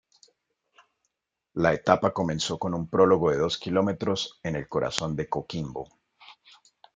La etapa comenzó con un prólogo de dos kilómetros en el corazón de Coquimbo.